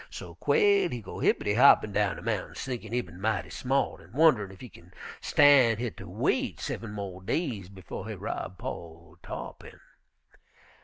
So Quail he go hippitty hoppin' down de mountains, thinkin' he bin mighty smart, an' wunnerin' ef he kin stan' hit ter wait seven mo' days befo' he rob po' ol' Tarr'pin.